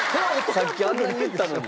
さっきあんなに言ったのに。